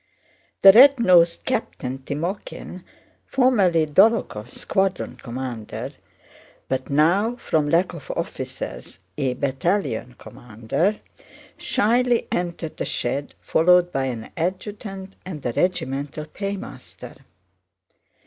The red nosed Captain Timókhin, formerly Dólokhov's squadron commander, but now from lack of officers a battalion commander, shyly entered the shed followed by an adjutant and the regimental paymaster.